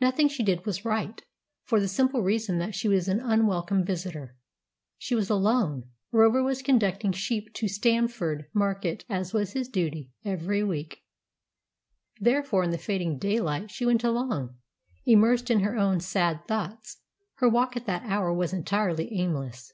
Nothing she did was right, for the simple reason that she was an unwelcome visitor. She was alone. Rover was conducting sheep to Stamford market, as was his duty every week; therefore in the fading daylight she went along, immersed in her own sad thoughts. Her walk at that hour was entirely aimless.